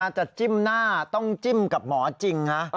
จะจิ้มหน้าต้องจิ้มกับหมอจริงนะ